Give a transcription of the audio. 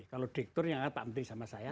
kalau direktur yang ada pak menteri sama saya